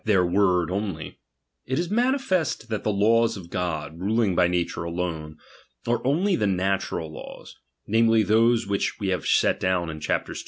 their word only ; it is manifest that the laws of God, ruling by nature alone, are only the nattiful laws ; namely, those which we have set down in chaps.